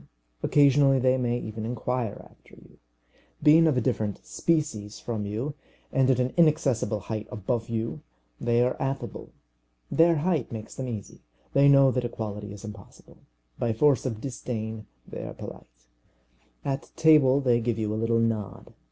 Occasionally they may even inquire after you. Being of a different species from you, and at an inaccessible height above you, they are affable. Their height makes them easy. They know that equality is impossible. By force of disdain they are polite. At table they give you a little nod.